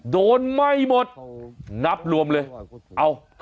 โดนไม่หมดนับรวมเลย